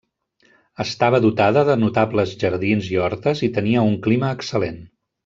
Estava dotada de notables jardins i hortes i tenia un clima excel·lent.